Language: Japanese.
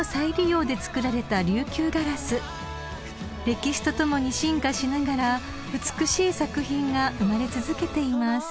［歴史とともに進化しながら美しい作品が生まれ続けています］